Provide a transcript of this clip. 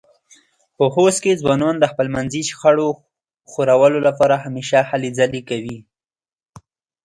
په خوست کې ځوانان د خپلمنځې شخړو خوارولو لپاره همېشه هلې ځلې کوي.